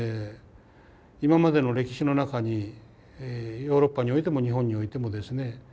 今までの歴史の中にヨーロッパにおいても日本においてもですね